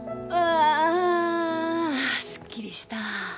あすっきりした！